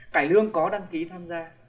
cải lương có đăng ký tham gia